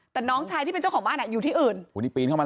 แต่น้องชายที่เป็นเจ้าของบ้านอยู่ที่อื่น